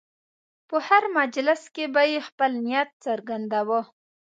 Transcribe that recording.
په هر مجلس کې به یې خپل نیت څرګنداوه.